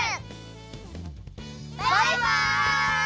バイバイ！